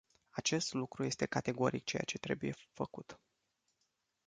Acest lucru este categoric ceea ce trebuie făcut.